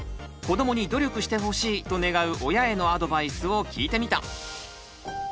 「子どもに努力してほしい！」と願う親へのアドバイスを聞いてみた！